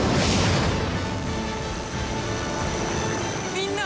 みんな！